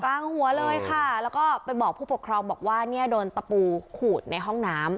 กลางหัวเลยค่ะแล้วก็ไปบอกผู้ปกครองบอกว่าเนี่ยโดนตะปูขูดในห้องน้ำ